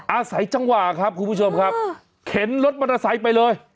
อ่าใส่จังหวะครับคุณผู้ชมครับเข็นรถมันระใสไปเลย